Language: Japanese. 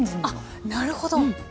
あっなるほど。